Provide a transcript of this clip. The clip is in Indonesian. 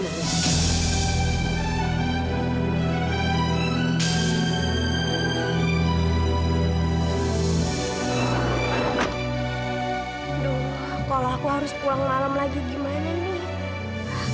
dong kalau aku harus pulang malam lagi gimana nih